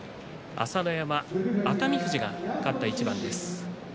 朝乃山、熱海富士が勝った一番です。